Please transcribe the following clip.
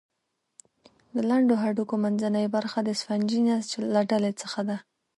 د لنډو هډوکو منځنۍ برخه د سفنجي نسج له ډلې څخه ده.